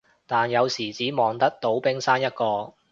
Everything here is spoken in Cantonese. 但有時只望得到冰山一角